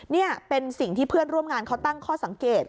นี่เป็นสิ่งที่เพื่อนร่วมงานเขาตั้งข้อสังเกต